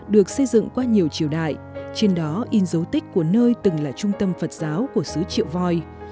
được xây dựng qua nhiều triều đại trên đó in dấu tích của nơi từng là trung tâm phật giáo của xứ triệu voi